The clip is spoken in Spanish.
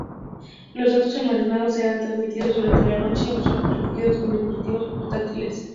Los datos almacenados serán transmitidos durante la noche o son recogidos con dispositivos portátiles.